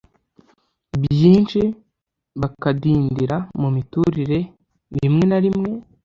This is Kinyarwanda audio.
byinshi, bakadindira mu mikurire rimwe na rimwe